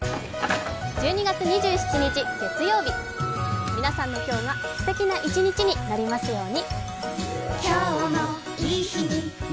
１２月２７日月曜日、皆さんの今日がすてきな一日になりますように。